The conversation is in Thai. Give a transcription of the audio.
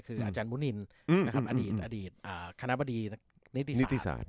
คืออาจารย์มุนินอดีตอดีตคณะบดีนิติศาสต